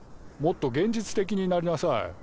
もっと現実的になりなさい。